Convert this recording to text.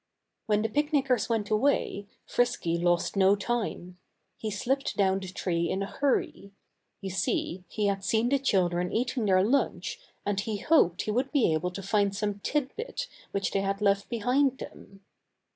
When the picnickers went away, Frisky lost no time. He slipped down the tree in a hurry. You see, he had seen the children eating their lunch and he hoped he would be able to find some tidbit which they had left behind them.